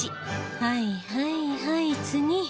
はいはいはい次。